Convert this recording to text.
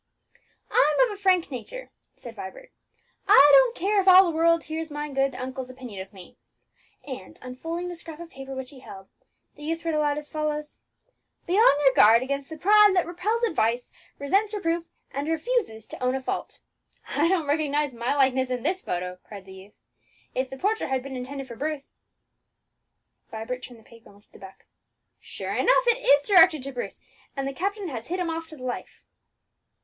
"I'm of a frank nature," said Vibert; "I don't care if all the world hear my good uncle's opinion of me!" and, unfolding the scrap of paper which he held, the youth read aloud as follows: "Be on your guard against the PRIDE that repels advice, resents reproof, and refuses to own a fault. I don't recognize my likeness in this photo!" cried the youth; "if the portrait had been intended for Bruce," Vibert turned the paper and looked at the back "sure enough, it is directed to Bruce; and the captain has hit him off to the life!"